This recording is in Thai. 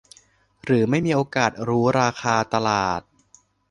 หรือไม่มีโอกาสรู้ราคาตลาด